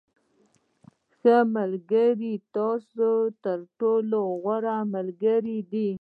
• ښه ملګری ستا تر ټولو غوره ملګری دی.